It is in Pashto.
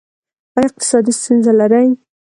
ایا اقتصادي ستونزې لرئ؟